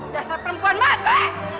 dasar perempuan mati